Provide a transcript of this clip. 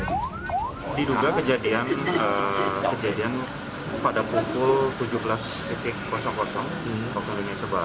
diduga kejadian pada pukul tujuh belas